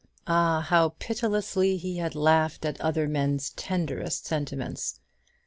Ah, how pitilessly he had laughed at other men's tenderest sentiments!